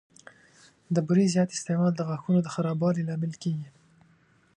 د بوري زیات استعمال د غاښونو د خرابوالي لامل کېږي.